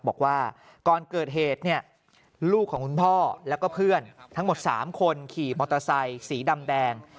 บอกว่าก่อนเกิดเหตุเนี่ยลูกของคุณพ่อแล้วก็เพื่อนทั้งหมด๓คนขี่มอเตอร์ไซค์สีดำแดง